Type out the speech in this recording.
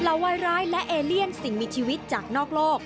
วัยร้ายและเอเลียนสิ่งมีชีวิตจากนอกโลก